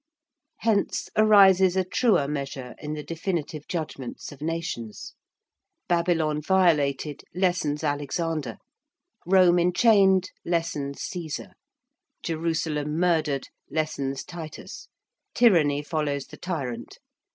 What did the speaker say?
Hence arises a truer measure in the definitive judgments of nations. Babylon violated lessens Alexander, Rome enchained lessens Cæsar, Jerusalem murdered lessens Titus, tyranny follows the tyrant.